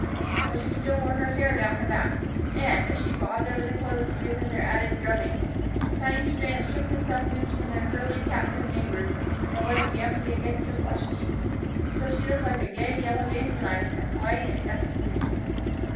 But she still wore her hair down her back, and, as she bobbed over the clothes to give them their added drubbing, shiny strands shook themselves loose from their curly, captive neighbors and waved damply against her flushing cheeks, till she looked like a gay yellow dandelion a sway in a gusty wind.